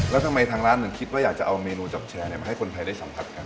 แล้วทำไมทางร้านถึงคิดว่าอยากจะเอาเมนูจับแชร์มาให้คนไทยได้สัมผัสกัน